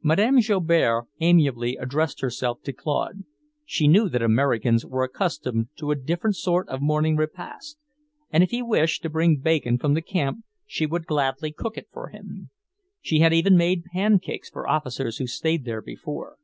Madame Joubert amiably addressed herself to Claude; she knew that Americans were accustomed to a different sort of morning repast, and if he wished to bring bacon from the camp, she would gladly cook it for him. She had even made pancakes for officers who stayed there before.